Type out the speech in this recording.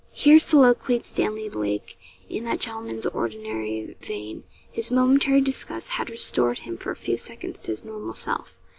Here soliloquised Stanley Lake in that gentleman's ordinary vein. His momentary disgust had restored him for a few seconds to his normal self.